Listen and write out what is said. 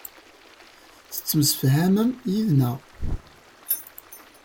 Tettemsefham yid-neɣ.